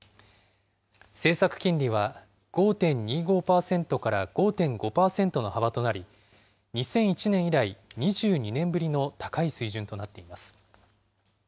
政策金利は５．２５％から５．５％の幅となり、２００１年以来、２２年ぶりの高い水準となっています。